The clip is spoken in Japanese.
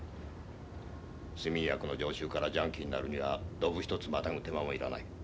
睡眠薬の常習からジャンキーになるにはドブ一つまたぐ手間もいらない。